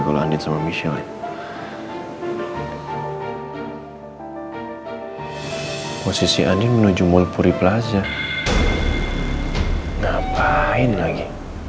halo michelle ini aku udah sampai